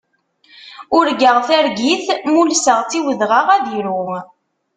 Urgaɣ targit, ma ulseɣ-tt i udɣaɣ ad iru.